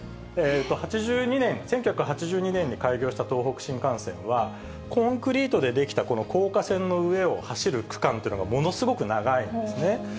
８２年、１９８２年に開業した東北新幹線は、コンクリートで出来た高架線の上を走る区間というのがものすごく長いんですね。